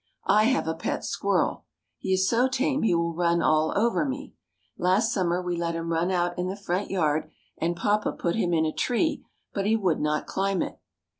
I have a pet squirrel. He is so tame he will run all over me. Last summer we let him run out in the front yard, and papa put him in a tree, but he would not climb it.